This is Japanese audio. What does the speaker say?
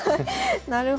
なるほど。